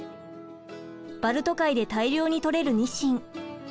バルト海で大量にとれるニシン。